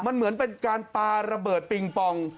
มันเหมือนเป็นการปาระเบิดปิงปอง